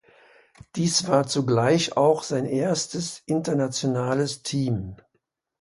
Dies war zugleich auch sein erstes internationales Team.